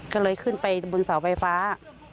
ก็เลยขึ้นไปบนเสาไฟฟ้า